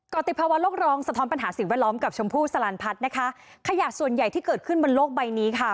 ติภาวะโลกร้องสะท้อนปัญหาสิ่งแวดล้อมกับชมพู่สลันพัฒน์นะคะขยะส่วนใหญ่ที่เกิดขึ้นบนโลกใบนี้ค่ะ